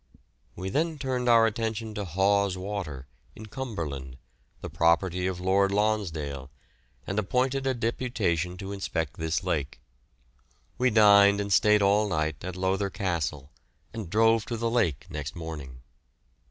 We then turned our attention to Hawes Water, in Cumberland, the property of Lord Lonsdale, and appointed a deputation to inspect this lake. We dined and stayed all night at Lowther Castle, and drove to the lake next morning.